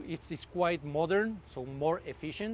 ini cukup modern jadi lebih efisien